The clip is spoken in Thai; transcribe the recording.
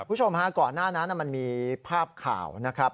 คุณผู้ชมฮะก่อนหน้านั้นมันมีภาพข่าวนะครับ